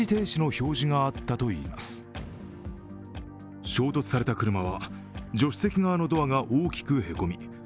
衝突された車は助手席側のドアが大きくへこみ